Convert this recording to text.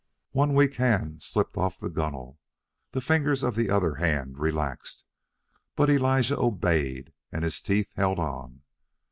One weak hand slipped off the gunwale, the fingers of the other hand relaxed, but Elijah obeyed, and his teeth held on.